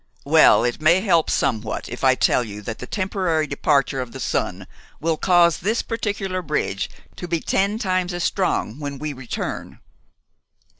"Well, it may help somewhat if I tell you that the temporary departure of the sun will cause this particular bridge to be ten times as strong when we return."